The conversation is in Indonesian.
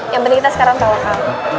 yang penting kita sekarang tau hal